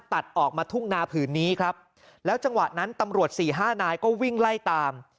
ตัดออกมาทุ่งนาผืนนี้ครับแล้วจังหวะนั้นตำรวจสี่ห้านายก็วิ่งไล่ตาม